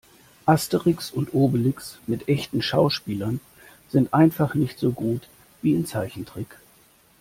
Asterix und Obelix mit echten Schauspielern sind einfach nicht so gut wie in Zeichentrick.